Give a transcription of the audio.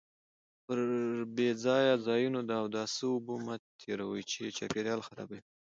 پر بې ځایه ځایونو د اوداسه اوبه مه تېروئ چې چاپیریال خرابوي.